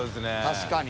確かに。